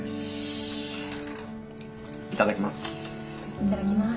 いただきます。